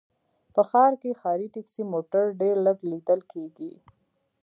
په ښار کې ښاري ټکسي موټر ډېر لږ ليدل کېږي